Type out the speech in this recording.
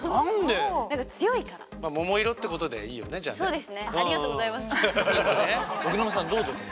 ももいろってことでいいよねじゃあね。